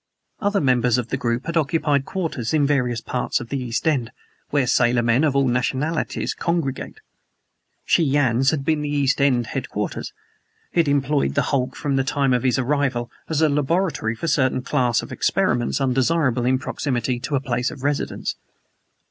Other members of the group had occupied quarters in various parts of the East End, where sailormen of all nationalities congregate. Shen Yan's had been the East End headquarters. He had employed the hulk from the time of his arrival, as a laboratory for a certain class of experiments undesirable in proximity to a place of residence.